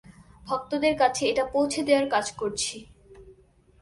ভক্তদের কাছে এটা পৌঁছে দেওয়ার কাজ করছি।